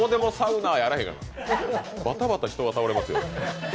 バタバタ人が倒れますよ。